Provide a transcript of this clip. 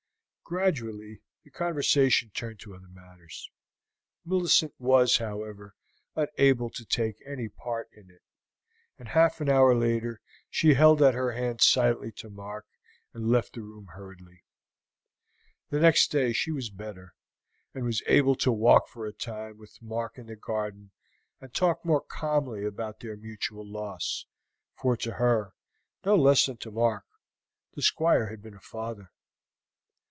Gradually the conversation turned to other matters. Millicent was, however, unable to take any part in it, and half an hour later she held out her hand silently to Mark and left the room hurriedly. The next day she was better, and was able to walk for a time with Mark in the garden and talk more calmly about their mutual loss, for to her, no less than to Mark, the Squire had been a father.